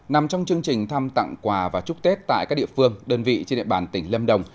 nằm trong chương trình thăm tặng quà và chúc tết tại các địa phương đơn vị trên địa bàn tỉnh lâm đồng